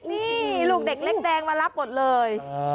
นี่ลูกเด็กเล็กแดงมารับหมดเลย